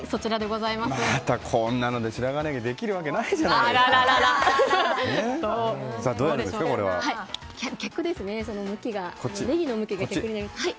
またこんなので白髪ねぎできるわけないじゃない。